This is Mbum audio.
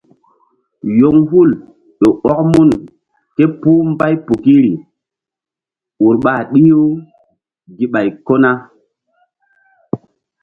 Yoŋhul ƴo ɔk mun ké puhbaypukiri ur ɓa ɗih-u ɓay ko na.